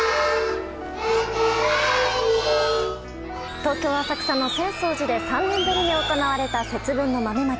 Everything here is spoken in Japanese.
東京・浅草の浅草寺で３年ぶりに行われた節分の豆まき。